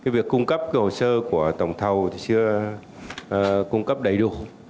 việc cung cấp hồ sơ của tổng thầu chưa cung cấp đầy đủ